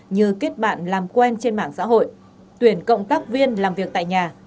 như kết bạn làm quen trên mạng xã hội tuyển cộng tác viên làm việc tại nhà